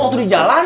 waktu di jalan